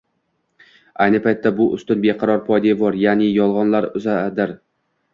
Ayni paytda, bu ustun beqaror poydevor, ya’ni yolg‘onlar uzradir.